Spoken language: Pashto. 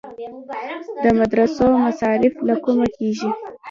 د مدرسو مصارف له کومه کیږي؟